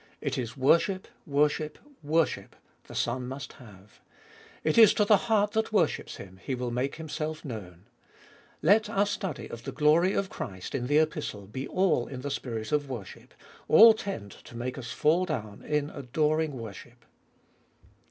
It is worship, worship, worship, the Son must have. It is to the heart that worships Him He will make Himself known. Let our study of the glory of Christ in the Epistle be all in the spirit of worship, all tend to mahe us fall down in adoring worship.